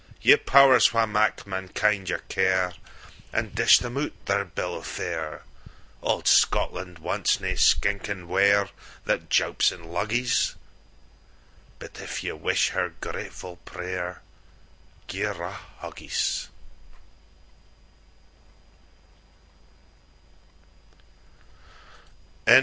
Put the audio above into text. Ye Pow'rs, wha mak mankind your care, And dish them out their bill o' fare, Auld Scotland wants nae skinking wareThat jaups in luggies; But, if ye wish her gratefu' prayerGie her a haggis!